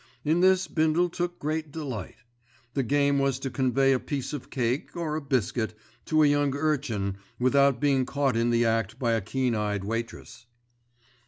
In this Bindle took great delight. The game was to convey a piece of cake, or a biscuit, to a young urchin without being caught in the act by a keen eyed waitress.